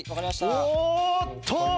おーっと！